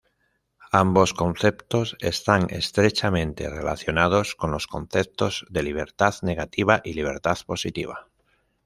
Ambos conceptos están estrechamente relacionados con los conceptos de libertad negativa y libertad positiva.